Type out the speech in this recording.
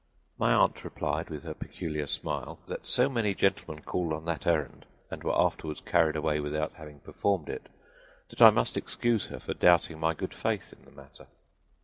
My aunt replied with her peculiar smile that so many gentlemen called on that errand and were afterward carried away without having performed it that I must excuse her for doubting my good faith in the matter.